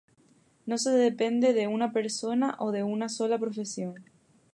No se depende de una persona o de una sola profesión.